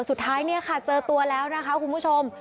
สุดท้ายเจอตัวแล้วนะคะคุณผู้ชม